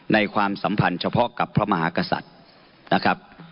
ความสัมพันธ์เฉพาะกับพระมหากษัตริย์นะครับ